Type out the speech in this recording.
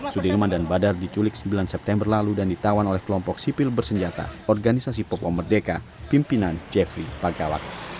sudirman dan badar diculik sembilan september lalu dan ditawan oleh kelompok sipil bersenjata organisasi popo merdeka pimpinan jeffrey pagawak